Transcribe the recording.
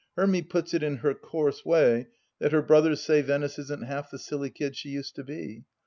Hermy puts it, in her coarse way, that her brothers say Venice isn't half the silly kid she used to be.